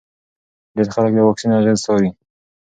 ډېر خلک د واکسین اغېزې څاري.